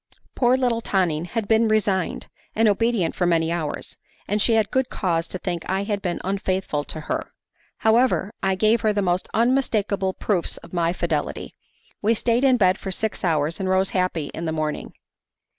Poor little Tonine had been resigned, and obedient for many hours, and she had good cause to think I had been unfaithful to her; however, I gave her the most unmistakable proofs of my fidelity. We stayed in bed for six hours, and rose happy in the morning.